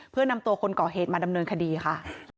เพื่อนำตัวคนก่อเหตุมาดำเนินคดีค่ะ